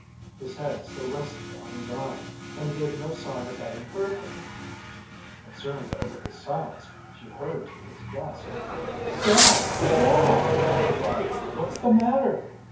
His head still rested on his arms and he gave no sign of having heard her. Concerned over his silence, she hurried to his desk. "Dad, Dad!" she cried. "What's the matter!